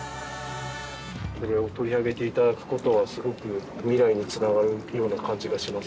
これを取り上げていただくことは、すごく未来につながるような感じがします。